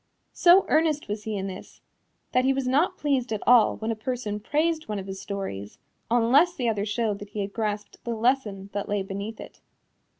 So earnest was he in this that he was not pleased at all when a person praised one of his stories, unless the other showed that he had grasped the lesson that lay beneath it.